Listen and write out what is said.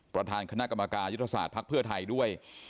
ประธานคณะกรรมการยุทธศาสตร์ภักดิ์เพื่อไทยด้วย